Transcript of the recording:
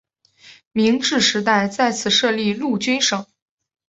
明治时代在此设立陆军省。